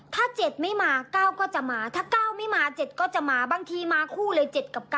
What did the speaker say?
ถ้า๗ไม่มา๙ก็จะมาถ้า๙ไม่มา๗ก็จะมาบางทีมาคู่เลย๗กับ๙